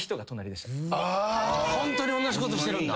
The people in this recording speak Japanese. ホントに同じことしてるんだ。